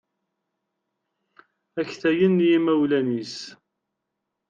Aktayen n yimawlan-is.